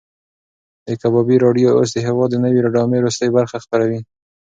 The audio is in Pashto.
د کبابي راډیو اوس د هېواد د نوې ډرامې وروستۍ برخه خپروي.